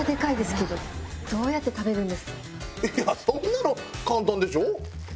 そんなの簡単でしょ。